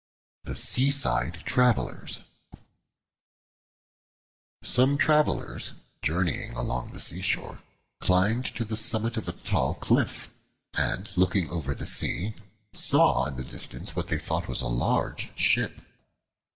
The Seaside Travelers SOME TRAVELERS, journeying along the seashore, climbed to the summit of a tall cliff, and looking over the sea, saw in the distance what they thought was a large ship.